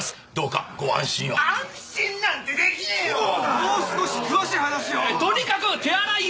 もう少し詳しい話をとにかく手洗いを！